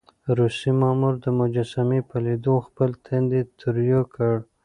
روسي مامور د مجسمې په ليدو خپل تندی تريو کړ.